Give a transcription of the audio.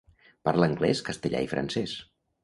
Parla anglès, castellà i francès.